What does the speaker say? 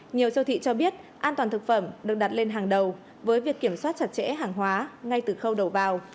nhiều siêu thị cho biết an toàn thực phẩm được đặt lên hàng đầu với việc kiểm soát chặt chẽ hàng hóa ngay từ khâu đầu vào